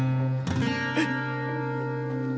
えっ。